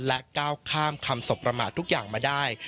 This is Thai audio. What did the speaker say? และก้าวข้ามคำสบประมาททุกอย่างมาได้